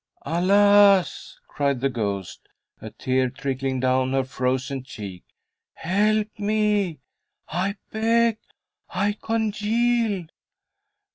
"Alas!" cried the ghost, a tear trickling down her frozen cheek. "Help me, I beg. I congeal!"